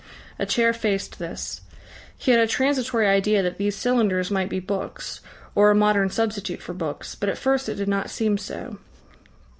A chair faced this. He had a transitory idea that these cylinders might be books, or a modern substitute for books, but at first it did not seem so.